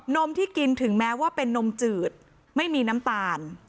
มที่กินถึงแม้ว่าเป็นนมจืดไม่มีน้ำตาล